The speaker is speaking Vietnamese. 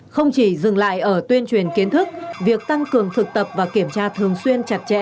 không chỉ dừng lại ở tuyên truyền kiến thức việc tăng cường thực tập và kiểm tra thường xuyên chặt chẽ